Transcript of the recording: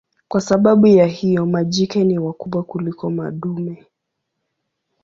Kwa sababu ya hiyo majike ni wakubwa kuliko madume.